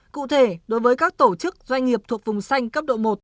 cụ thể đối với các tổ chức doanh nghiệp thuộc vùng xanh cấp độ một